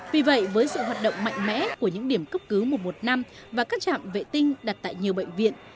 vì vậy với sự hoạt động mạnh mẽ của những điểm cấp cứu mùa một năm và các trạm vệ tinh đặt tại nhiều bệnh viện